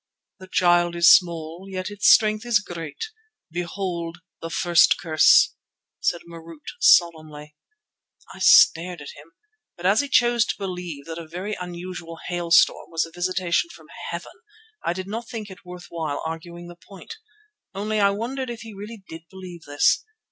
"The Child is small, yet its strength is great. Behold the first curse!" said Marût solemnly. I stared at him, but as he chose to believe that a very unusual hailstorm was a visitation from heaven I did not think it worth while arguing the point. Only I wondered if he really did believe this.